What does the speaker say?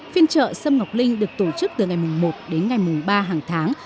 phiên trợ sâm ngọc linh được tổ chức từ ngày mùng một đến ngày mùng ba hàng tháng